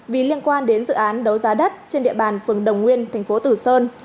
vì liên quan đến dự án đấu giá đất trên địa bàn phường đồng nguyên tp tử sơn